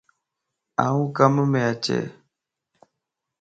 آن ڪم يم اچي؟